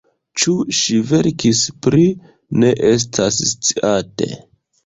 Ĉu ŝi verkis pli, ne estas sciate.